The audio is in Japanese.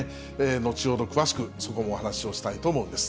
後ほど詳しく、そこもお話をしたいと思うんです。